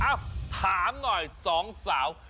เอ้าถามหน่อยสองสาว